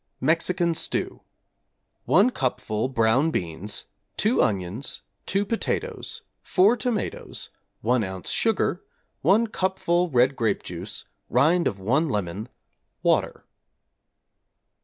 Mexican Stew= 1 cupful brown beans, 2 onions, 2 potatoes, 4 tomatoes, 1 oz. sugar, 1 cupful red grape juice, rind of 1 lemon, water.